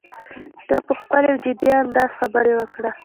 ده په ښکلي او جدي انداز خبره وکړه.